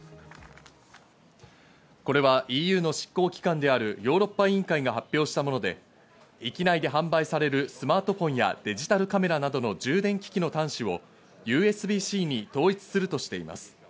これはＥＵの執行機関であるヨーロッパ委員会が発表したもので、域内で販売されるスマートフォンやデジタルカメラなどの充電機器の端子をＵＳＢ−Ｃに統一するとしています。